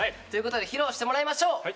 ということで披露してもらいましょう。